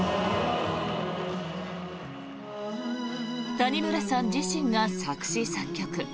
谷村さん自身が作詞作曲